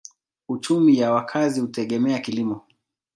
Uchumi ya wakazi hutegemea kilimo.